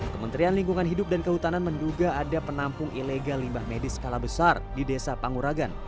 kementerian lingkungan hidup dan kehutanan menduga ada penampung ilegal limbah medis skala besar di desa panguragan